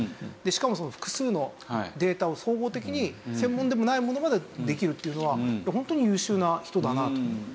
でしかも複数のデータを総合的に専門でもないものまでできるっていうのは本当に優秀な人だなと。